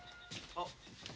あっ。